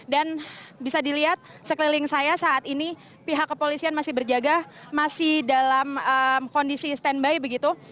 dan bisa dilihat sekeliling saya saat ini pihak kepolisian masih berjaga masih dalam kondisi stand by begitu